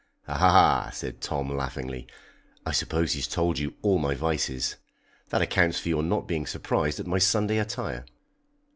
"Ah!" said Tom laughingly, "I suppose he's told you all my vices. That accounts for your not being surprised at my Sunday attire."